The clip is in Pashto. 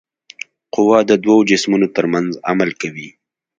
قوه د دوو جسمونو ترمنځ عمل کوي.